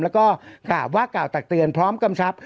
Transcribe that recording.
แล้วก็กราบว่ากล่าวตักเตือนพร้อมกำชับ